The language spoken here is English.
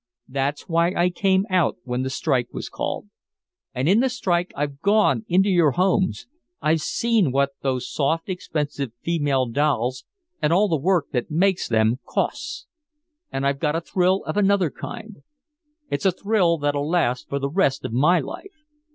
That's why I came out when the strike was called. And in the strike I've gone into your homes. I've seen what those soft expensive female dolls and all the work that makes them costs. And I've got a thrill of another kind! It's a thrill that'll last for the rest of my life!